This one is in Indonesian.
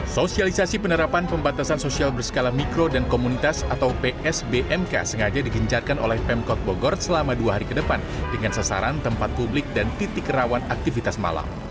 sosialisasi penerapan pembatasan sosial berskala mikro dan komunitas atau psbmk sengaja digincarkan oleh pemkot bogor selama dua hari ke depan dengan sasaran tempat publik dan titik rawan aktivitas malam